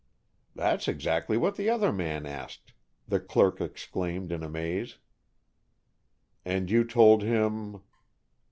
"That's exactly what the other man asked," the clerk exclaimed, in amaze. "And you told him